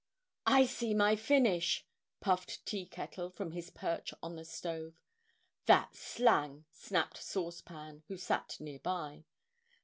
"I see my finish!" puffed Tea Kettle from his perch on the stove. "That's slang!" snapped Sauce Pan, who sat near by.